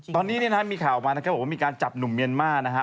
ตอนนี้เนี่ยนะฮะมีข่าวออกมานะครับบอกว่ามีการจับหนุ่มเมียนมาร์นะฮะ